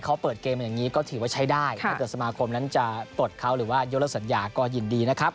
เขาเปิดเกมอย่างนี้ก็ถือว่าใช้ได้ถ้าเกิดสมาคมนั้นจะปลดเขาหรือว่ายกเลิกสัญญาก็ยินดีนะครับ